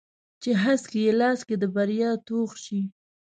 چې هسک یې لاس کې د بریا توغ شي